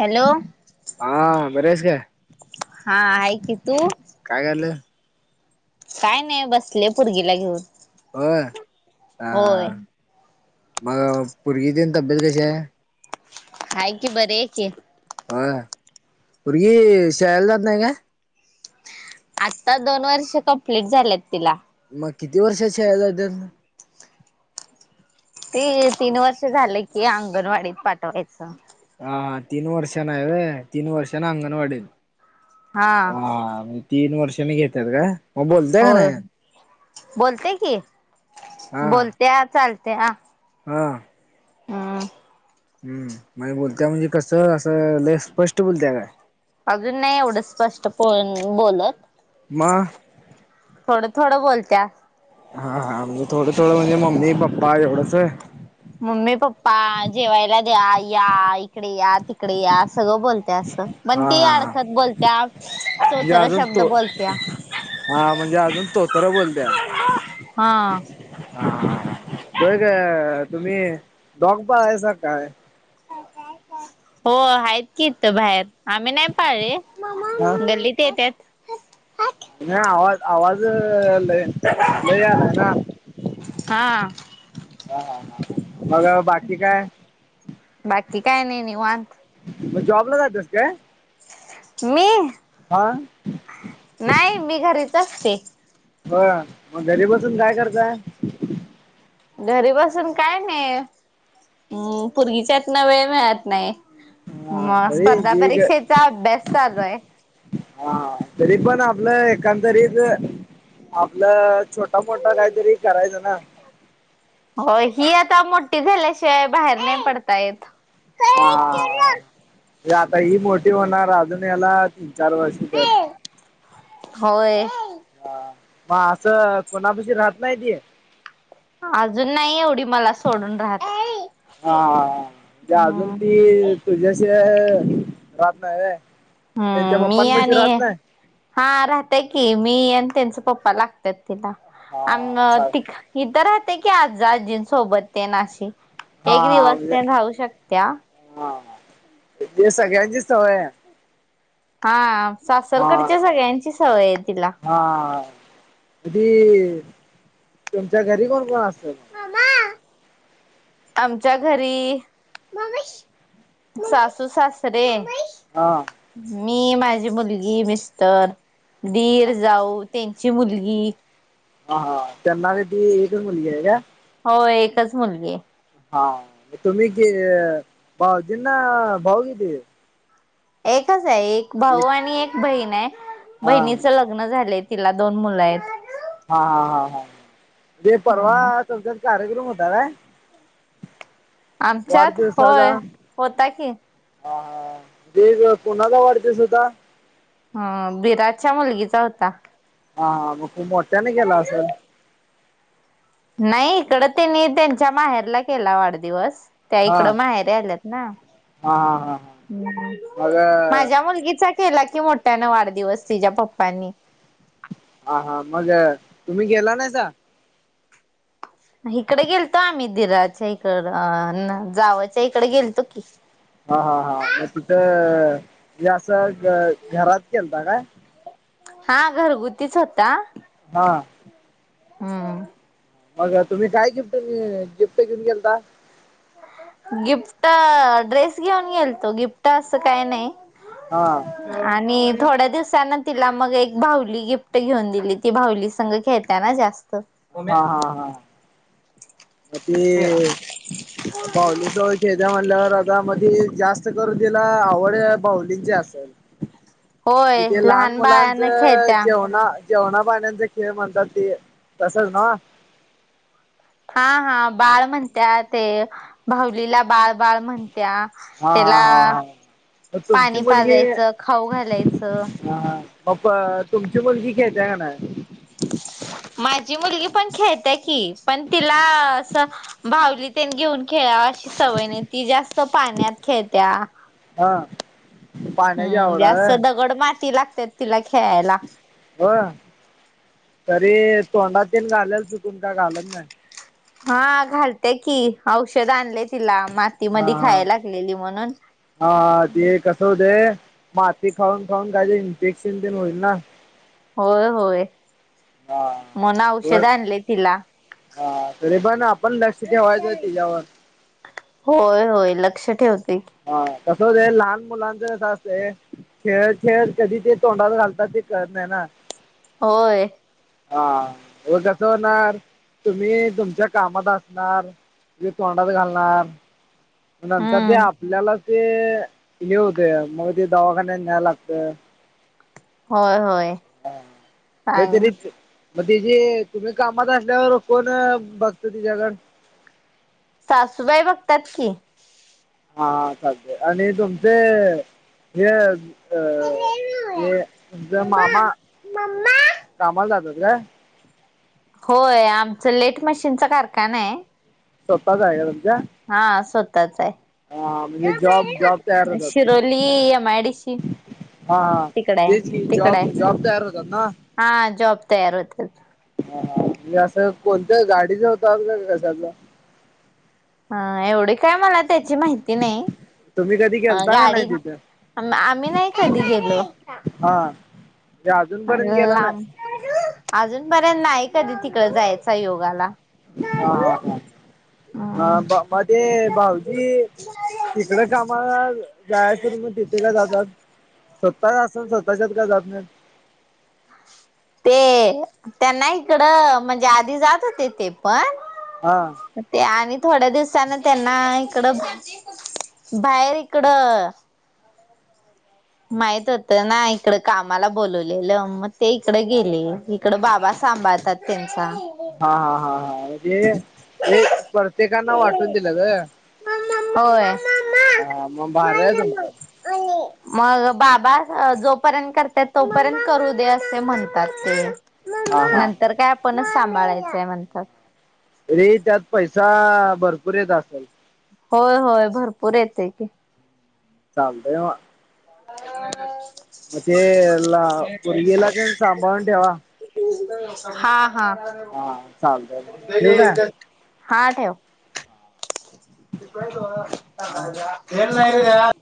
Hello, हा बरी हायस काय. हा आहे की तू. काय कराले. काय नाही बसले, पोरगीला घेऊन. होय, होय मग पोरगी तेन तब्येत कशी आहे. हाय की, बरीय की. होय, पोरगी शाळेला जात नाही काय. आत्ता दोन वर्ष कंप्लीट झाल्यात तिला. मग किती वर्षाची शाळेला जात्यात. ते तीन वर्ष झाले की अंगणवाडीत पाठवायचं. हा तीन वर्षांन हाय व्हय, तीन वर्षांन अंगणवाडीत. हा. हा मग तीन वर्षांनी घेत्यात कायं. होय, बोलत्या की बोलत्या चालत्या. हां.. ह.. हम्म.. म्हणजे बोलत्या म्हणजे कसं, असं लै स्पष्ट बोलत्या काय. अजून नाही एवढं, स्पष्ट पण बोलत. मग. थोडं थोडं बोलत्या. हा हा म्हणजे थोडं थोडं म्हणजे मम्मी पप्पा एवढंच आहे. मम्मी पप्पा जेवायला द्या, या इकडे या तिकडे या सगळं बोलत्या असं. पण हा ते हा अडखत बोलत्या, म्हणजे चोचर अजून शब्द तो बोलत्या. हा म्हणजे अजून तोतर बोलत्या. हा. तो का तुम्ही डॉग पाळलासा काय? हो आहेत की इथं बाहेर. आम्ही नाही पाळले, हा गल्लीत येत्यात. नाही आवाज, आवाज लै लै यालाय ना. हा. ह हा हा मग बाकी काय? बाकी काय, नाही निवांत. मग जॉबला जात्यास काय? मी. हा. नाही मी घरीच असते. हो मग घरी बसून काय करताय. घरी बसून काय नाही पूरगीच्यातन वेळ मिळत नाही. हा मग तरी स्पर्धा जी परीक्षेचा अभ्यास चालू आहे. हा तरी पण आपलं, एकांदरीत आपलं‌ छोटा मोठा काहीतरी करायचं ना. होय ही आता, मोठी झाल्याशिवाय बाहेर नाही पडता येत. हा आता ही मोठी होणार अजून याला तीन चार वर्षी तर. होय. हा मग असं, कोणापाशी राहत नाही ती. अजून नाही एवढी मला सोडून राहत. हा म्हणजे अजून, हम्म ती तुझ्याशिवाय राहत नाही होय. हम्म. मी आणि, हां.. राहत्या की मी, आणि त्यांच पप्पा लागत्यात तिला. आ.. हा चाल ति इथं राहते की आजा, आजीं सोबत ते न अशी एक दिवस ते राऊू शकत्या इथली सगळ्यांचे सवय आहे. हा सासरकडच्या सगळ्यांची सवय आहे तिला. हां.. की तुमच्या घरी कोण कोण असत्यात. आमच्या घरी. सासू सासरे. हा. मी माझी मुलगी मिस्टर दीर हा जाऊ. त्यांची मुलगी. हा हा... त्यांना किती, एकच मुलगी आहे काय. हो एकच मुलगी आहे. हा तुम्ही की भाऊजींना भाऊ किती आहे. एकच आहे एक भाऊ आणि एक बहीण आहे हा बहिणीच लग्न लग्न झालय तिला दोन मुलं आहेत‌. हा हा हा हा. तेे परवा हा त्यांच्यात कार्यक्रम होता काय? आमच्यात होय वाढदिवसाचा होता की. हा हा ते ग कोणाचा वाढदिवस होता? हा दिराच्या मुलगीचा होता. हा हां. मग खूप मोठ्याने केला असलं. नाही इकडं त्यांनी त्यांच्या, माहेरला केला वाढदिवस. त्या हा इकडं माहेरी आल्यात ना, हा हा हा हा मग माझ्या मुलगीचा. केला की मोठ्यान वाढदिवस तिच्या पप्पांनी. ह हा मग तुम्ही गेला नाहीसा. इकडे गेलतो आम्ही दिराच्या हिकडं जावाच्या तिकडे गेलतो की. हा हा हा मग तिथं असं घरात केलता काय. हा घरगुतीच होता. हा. हम्म. मग तुम्ही काय गिफ्ट, गिफ्ट घेऊन गेलता. गिफ्ट ड्रेस घेऊन गेलतो गिफ्ट असं काही नाही. हा. आणि थोड्या दिवसाांन तिला, मग एक भाऊली गिफ्ट घेऊन दिली ती भाऊली संग खेळत्या त्यांना जास्त हा हा हा. अ ते बाउली सोबत खेळत्या म्हणल्यावर आता म्हणजे जास्त करून तिला आवड बाउलींची असेल. होय तिथे लहान मुलांच बाळान खेळत्या जेवणा जेवणा पाण्यांचा खेळ म्हणतात, ते तसंच नव्ह. हा हा. बाळ म्हणतात ते, भाऊलीला बाळ. बाळ म्हणत्या त्याला, हा हा हा मग त्याला तुमची पाणी मुलगी पाजायचं खाऊ घालायचं हा मग प... तुमची मुलगी खेळत्या का नाही. माझी मुलगी पण, खेळत्या की पण तिला असं. भावली तेन घेऊन खेळाव अशी सवय नाही, ती जास्त पाण्यात खेळत्या. हा. पाण्याची हम्म. आवड जास्त आहे दगड माती लागतात, तिला खेळायला. होय, तरी तोंडातेन घालेल चुकून, काय घालत नाही. हा घालत्या की औषध आणलय तिला म हा हा. ते कसं होतंय. माती खाऊन खाऊन काही इंफेक्शन तेन होईल ना. होय होय हा मन बर औषध आणलय तिला. हा तरीे पण आपण लक्ष ठेवायचं तिच्यावर. होय होय, लक्ष ठेवते की. हा.. कसं होतंय, लहान मुलांचं कसं असतंय. खेळत खेळत कधी ते तोंडात घालतात ते कळत नाही ना. होय. हा, हे कसं होणार तुम्ही, तुमच्या कामात असणार. मी तोंडात घालणार. नंतर ते हम्म आपल्यालाच ते हे होतय मग ते दवाखान्या न्याय लागत होय होय. हा सांग तेरी, मग ति जे तुम्ही कामात असल्यावर, कोण बघत तिच्याकडं. सासूबाई बघतात की, हा चालतंय, आणि तुमचे हे. अ हे तुमचा मम्मा मामा मम्मा कामाला जातात काय? होय. आमचं लेट मशीनचा कारखाना आहे. स्वतःचं आहे तुमच्या. हा स्वतःच आहे, हा म्हणजे जॉब जॉब तयार होतात. शिरोली यमायडीशी. हा हा देच की, जॉब आहे. जॉब तयार होतात ना. हा जॉब तयार होत्यात. हा म्हजे असं कोणत्या गाडीचे होत आात का का कशातलं [unintelligible] हा एवढी काय मला त्याची माहिती नाही. तुम्ही कधी अ गेलता का गाडी नाही तिथं? आम आम्ही नाही कधी गेलो. हा. म्हणजे अजूनपर्यंत गेला नाही. लांब, अजूनपर्यंत नाही कधी तिकडं जायचा योग आला. हा हा हम्म. हा‌. मध्ये भाऊजी तिकडं कामाला जाय सुरु [unintelligible] ते का जातात? स्वतः असून स्वतःच्यात काय जात नाहीत? ते त्यांना इकडं म्हणजे, आधी जातं होते ते पण. हा. ते आणि थोड्या दिवसाांने त्यांना इकडं बाहेर इकडं माहित होत ना, इकडं कामाला बोलवलेलं. मग ते इकडं गेली. इकड बाबा सांभाळतात त्यांचा. हा हा हा हा. हे हे प्रत्येकांना वाटून दिलेत होय? होय. हा, मग भारी आहे तुमचं. मग बाबा जोपर्यंत करत्यात, तोपर्यंत करू दे. असे म्हण हा [unintelligible] हा. नंतर काय आपणच सांभाळायचंय म्हणतात. तरी त्यात पैसा, भरपूर येत असलं. होय होय, भरपूर येतंय की. चालतंय मग, [unintelligible] मग ते ला पोरगीला तेन सांभाळून ठेवा. हा हा. हा चालतंय मग ठेवू काय हा ठेव. [unintelligible]